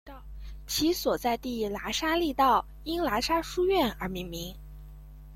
其所在地喇沙利道因喇沙书院而命名。